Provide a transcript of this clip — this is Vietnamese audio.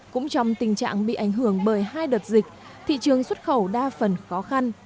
cũng trong tình trạng bị ảnh hưởng bởi hai đợt dịch thị trường xuất khẩu đa phần khó khăn